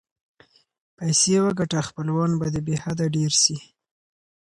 پیسې وګټه خپلوان به دې بی حده ډېر سي.